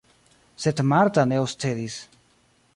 Sed Marta ne oscedis.